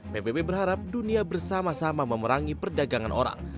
pbb berharap dunia bersama sama memerangi perdagangan orang